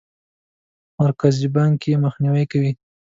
مرکزي بانک یې مخنیوی کوي.